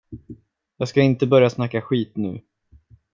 Jag ska inte börja snacka skit nu.